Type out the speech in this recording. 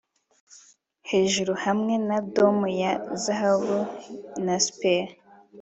Hejuru hamwe na dome ya zahabu na spire